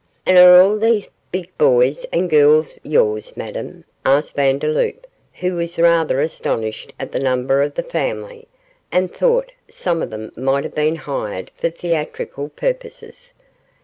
'And are all these big boys and girls yours, Madame?' asked Vandeloup, who was rather astonished at the number of the family, and thought some of them might have been hired for theatrical purposes.